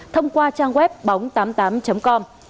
thông qua trang web bóng tám mươi tám com